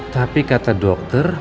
tapi kata dokter